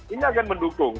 ini akan mendukung